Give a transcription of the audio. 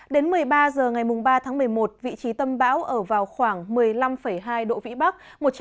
đến một mươi ba h ngày ba tháng một mươi một vị trí tâm bão ở vào khoảng một mươi năm hai độ vĩ bắc